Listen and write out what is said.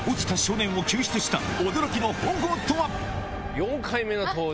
４回目の登場